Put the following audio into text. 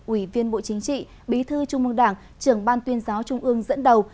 ủy viên bộ chính trị bí thư trung mương đảng trưởng ban tuyên giáo trung ương dẫn đầu